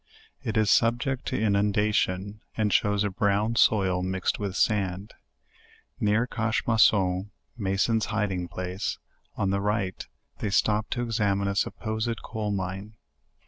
It ie subject to inundation, and shows a brown soil mixed with sand. Near Cache Mason (Masons hiding place) on the right, they stopped to examine a supposed coal mine.